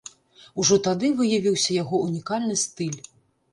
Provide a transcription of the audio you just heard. Ужо тады выявіўся яго унікальны стыль.